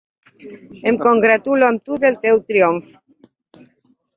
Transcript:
Em congratulo amb tu del teu triomf.